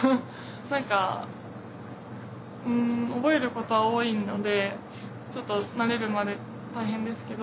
何か覚えることは多いのでちょっと慣れるまで大変ですけど。